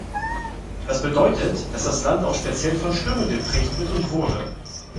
Das bedeutet, dass das Land auch speziell von Stürmen geprägt wird und wurde.